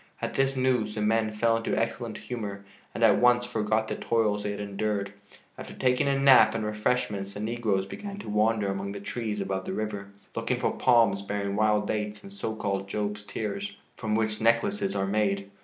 At this news the men fell into excellent humor and at once forgot the toils they had endured. After taking a nap and refreshments the negroes began to wander among the trees above the river, looking for palms bearing wild dates and so called "Job's tears," from which necklaces are made.